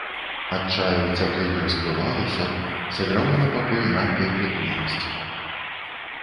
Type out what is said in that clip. Ад чаю цяплынь расплывалася, сагравала пакой мяккай прытульнасцю.